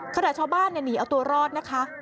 ขนาดชาวบ้านเนี่ยหนีเอาตัวรอดนะคะ